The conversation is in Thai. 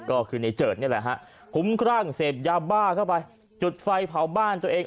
ก็คือในเจิดนี่แหละฮะคุ้มครั่งเสพยาบ้าเข้าไปจุดไฟเผาบ้านตัวเอง